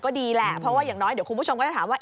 ก็ดีแหละเพราะว่าอย่างน้อยเดี๋ยวคุณผู้ชมก็จะถามว่า